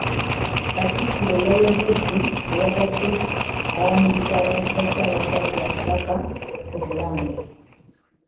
Katikkiro yayogedde bwe yabadde ayaniriza abantu ba Ssaabasajja Kabaka ku Bulange.